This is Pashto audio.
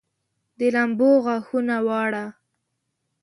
د لمبو غاښونه واړه